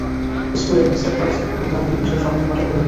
স্কুলে, লিস্টার ফরাসি এবং জার্মান ভাষার সাবলীল পাঠক হয়ে ওঠেন।